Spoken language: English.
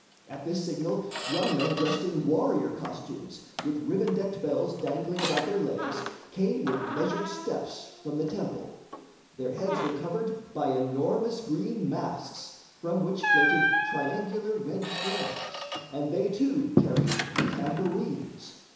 At this signal, young men dressed in warrior costumes with ribbon decked bells dangling about their legs came with measured steps from the temple. Their heads were covered by enormous green masks, from which floated triangular red flags, and they, too, carried tambourines.